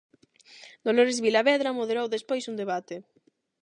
Dolores Vilavedra moderou despois un debate.